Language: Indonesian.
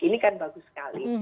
ini kan bagus sekali